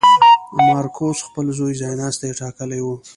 مارکوس خپل زوی ځایناستی ټاکلی و.